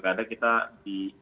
kita buat di senayan bang vito